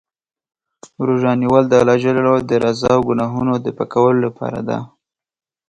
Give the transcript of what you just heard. روژه نیول د الله د رضا او ګناهونو د پاکولو لپاره دی.